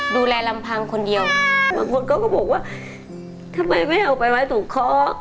ดูแลลำพังคนเดียวบางคนเขาก็บอกว่าทำไมไม่เอาไปไว้สูงคล้อ